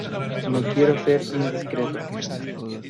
no quiero ser indiscreto,